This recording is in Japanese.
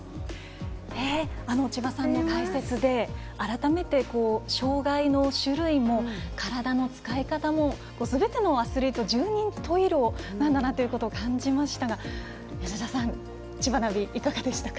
千葉さんの解説で改めて障がいの種類も体の使い方もすべてのアスリート十人十色なんだなと感じましたが、吉田さん「ちばナビ」、いかがでしたか。